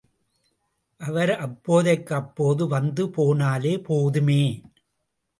அவர் அப்போதைக்கப்போது வந்து போனாலே போதுமே.